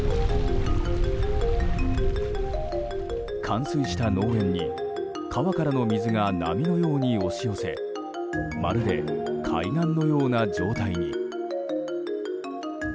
冠水した農園に川からの水が波のように押し寄せまるで海岸のような状態に。